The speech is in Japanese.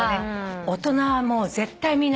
大人はもう絶対見ないもん。